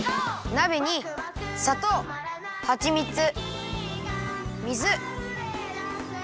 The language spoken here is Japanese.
なべにさとうはちみつ水粉